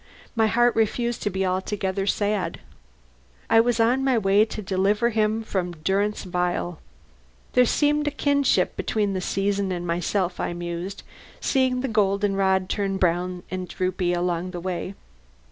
My heart refused to be altogether sad. I was on my way to deliver him from durance vile. There seemed a kinship between the season and myself, I mused, seeing the goldenrod turning bronze and droopy along the way.